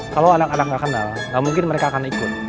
kalau anak anak nggak kenal nggak mungkin mereka akan ikut